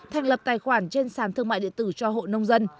thành lập tài khoản trên sàn thương mại điện tử cho hộ nông dân